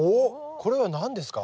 これは何ですか？